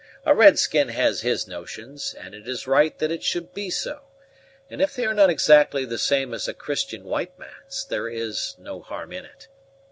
A red skin has his notions, and it is right that it should be so; and if they are not exactly the same as a Christian white man's, there is no harm in it.